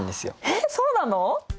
えっそうなの？